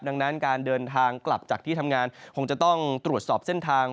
ดังนั้นการเดินทางกลับจากที่ทำงานคงจะต้องตรวจสอบเส้นทาง